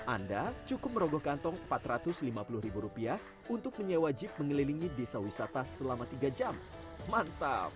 anda cukup merogoh kantong empat ratus lima puluh ribu rupiah untuk menyewa jeep mengelilingi desa wisata selama tiga jam mantap